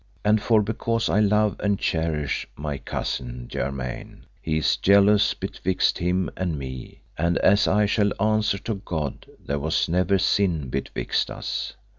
And for because I love and cherish my cousin germain, he is jealous betwixt him and me; and as I shall answer to God there was never sin betwixt us.